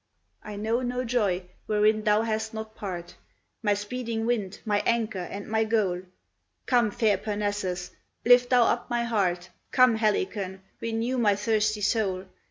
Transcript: I know no joy wherein thou hast not part, My speeding wind, my anchor, and my goal, Come, fair Parnassus, lift thou up my heart; Come, Helicon, renew my thirsty soul.